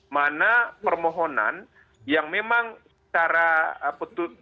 mana permohonan yang memang secara